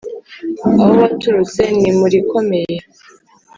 Aho waturutse ni murikomeye.